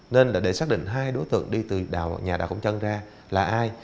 nên để xác định hai đối tượng đi từ nhà đào công trân ra là ai